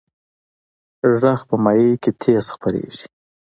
غږ په مایع کې تیز خپرېږي.